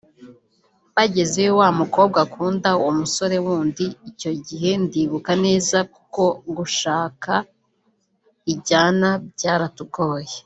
Bagezeyo wa mukobwa akunda uwo musore wundi […] Icyo gihe ndibuka neza kuko gushaka injyana byaratugoye